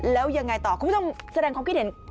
แล้วยังไงต่อคุณผู้ชมแสดงความคิดเห็น